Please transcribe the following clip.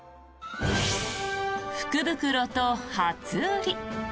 福袋と初売り。